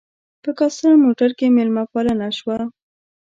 په کاسټر موټر کې مېلمه پالنه شوه.